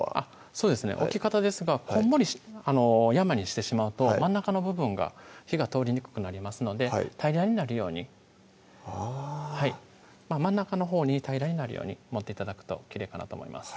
そうですね置き方ですがこんもり山にしてしまうと真ん中の部分が火が通りにくくなりますので平らになるようにあぁ真ん中のほうに平らになるように盛って頂くときれいかなと思います